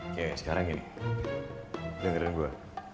oke sekarang gini dengerin gue